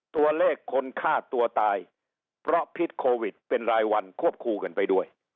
ตัวเลขคนฆ่าตัวตายเพราะพิษโควิดเป็นรายวันควบคู่กันไปด้วย